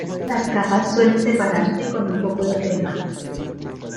Las capas suelen separarse con un poco de crema.